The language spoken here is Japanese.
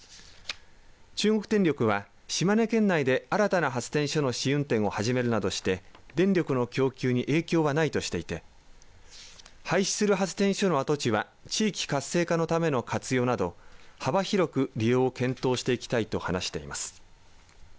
中国電力は、島根県内で新たな発電所の試運転を始めるなどして電力の供給に影響はないとしていて廃止する発電所の跡地は地域活性化のための活用など幅広く利用を検討していきたいと話しています。